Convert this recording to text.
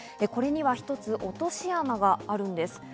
これには一つ、落とし穴があるんです。